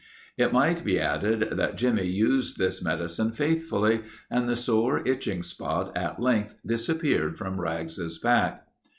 It might be added that Jimmie used this medicine faithfully and the sore, itching spot at length disappeared from Rags's back.